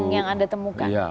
yang anda temukan